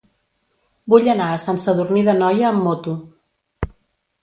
Vull anar a Sant Sadurní d'Anoia amb moto.